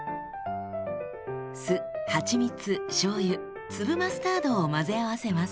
酢はちみつしょうゆ粒マスタードを混ぜ合わせます。